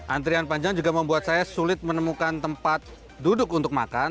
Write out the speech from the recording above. antrian panjang juga membuat saya sulit menemukan tempat duduk untuk makan